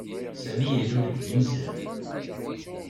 Sami ilul-d d ineslem.